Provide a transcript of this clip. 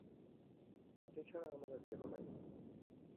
আপনি ছাড়া আমার আর কেহ নাই।